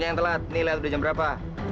lu yang telat nih lewat jam berapa